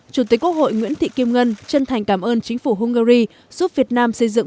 chủ tịch quốc hội nguyễn thị kim ngân chân thành cảm ơn chính phủ hungary giúp việt nam xây dựng